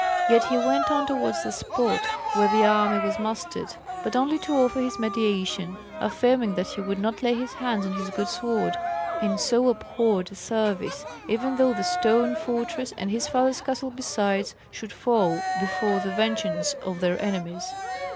Yet he went on towards the spot where the army was mustered, but only to offer his mediation, affirming that he would not lay his hand on his good sword in so abhorred a service, even though the stone fortress, and his father's castle besides, should fall before the vengeance of their enemies.